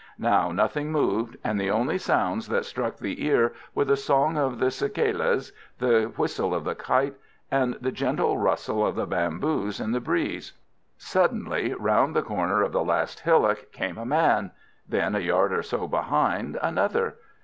Now nothing moved, and the only sounds that struck the ear were the song of the cicalas, the whistle of the kite, and the gentle rustle of the bamboos in the breeze. Suddenly, round the corner of the last hillock, came a man; then, a yard or so behind, another.